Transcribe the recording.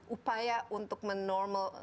upaya untuk menormal